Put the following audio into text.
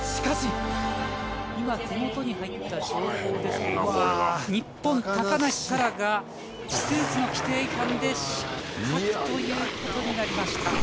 今、手元に入った情報ですけれども、日本、高梨沙羅がスーツの規定違反で失格ということになりました。